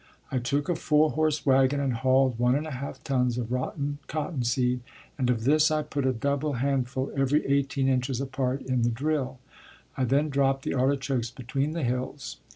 I took a four horse wagon and hauled one and a half tons of rotten cotton seed, and of this I put a double handful every 18 inches apart in the drill; I then dropped the artichokes between the hills.